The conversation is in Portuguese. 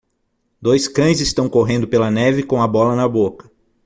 Dois cães estão correndo pela neve com a bola na boca.